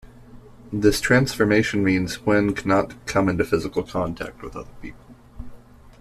This transformation means Hwen cannot come into physical contact with other people.